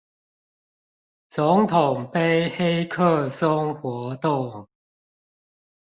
總統盃黑客松活動